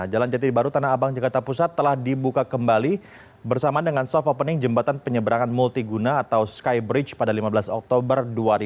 jalan jati baru tanah abang jakarta pusat telah dibuka kembali bersama dengan soft opening jembatan penyeberangan multiguna atau skybridge pada lima belas oktober dua ribu dua puluh